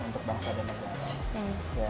untuk bangsa dan negara